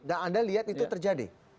dan anda lihat itu terjadi